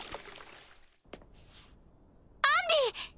アンディ！